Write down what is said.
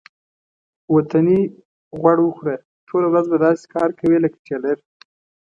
وطني غوړ وخوره ټوله ورځ به داسې کار کوې لکه ټېلر.